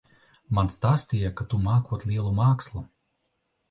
Man stāstīja, ka tu mākot lielu mākslu.